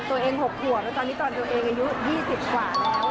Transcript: ตัวเอง๖หัวแล้วตอนนี้ตอนตัวเองอายุ๒๐กว่าแล้ว